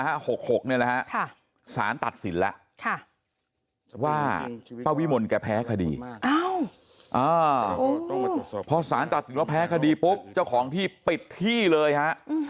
พอสารตัดสินแล้วแพ้คดีปุ๊บเจ้าของพี่ปิดที่เลยฮะ